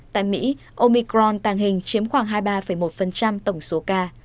tại mỹ omicron tàng hình chiếm khoảng hai mươi ba một tổng số ca